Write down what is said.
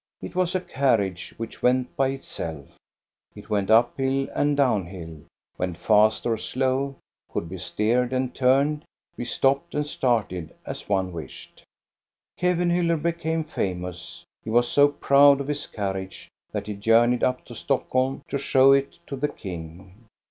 It was a carriage, which went by itself. It went up hill and down hill, went fast or slow, could be steered and turned, be stopped and started, as one wished. Kevenhuller became famous. He was so proud of his carriage that he journeyed up to Stockholm to show it to the king.